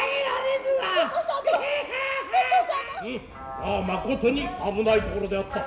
ヤアまことに危ないところであった。